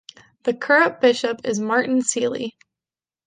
The current bishop is Martin Seeley.